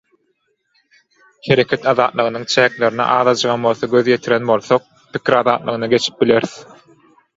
Hereket azatlygynyň çäklerine azajygam bolsa göz ýetiren bolsak pikir azatlygyna geçip bileris.